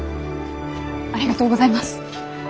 ありがとうございます！